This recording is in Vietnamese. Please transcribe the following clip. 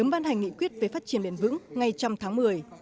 đó là một cái nghị quyết về phát triển bền vững ngay trong tháng một mươi